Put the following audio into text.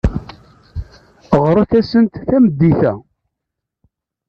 Ɣret-asent tameddit-a.